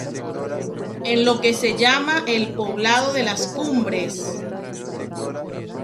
En lo que se llama el Poblado de Las Cumbres.